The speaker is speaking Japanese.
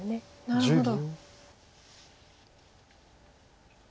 なるほど。